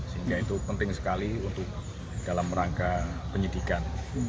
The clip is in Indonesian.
sehingga itu penting sekali untuk dalam rangka penyidikan